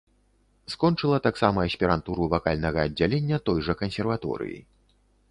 Скончыла таксама аспірантуру вакальнага аддзялення той жа кансерваторыі.